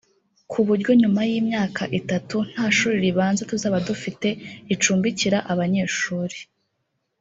ku buryo nyuma y’imyaka itatu nta shuri ribanza tuzaba dufite ricumbikira abanyeshuri